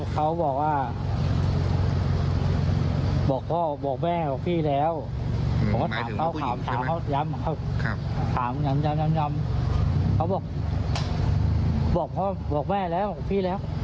เขาบอกพ่อบอกว่ามางั้ยเลยนะพี่เดี๋ยว